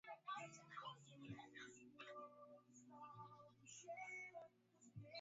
Wanyama wanaweza kupata kimeta kwa kugusana moja kwa moja au vinginevyo na wanyama walioathirika